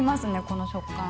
この食感。